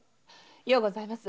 ようございます。